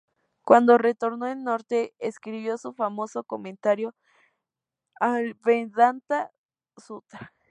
Cuando retornó del norte, escribió su famoso comentario al "Vedanta-sutra".